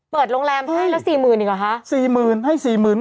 เปิดโรงแรมให้แล้วสี่หมื่นอีกหรอฮะสี่หมื่นให้สี่หมื่น